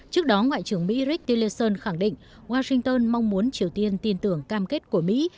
trước đó ngoại trưởng mỹ rick teleson khẳng định washington mong muốn triều tiên tin tưởng cam kết của mỹ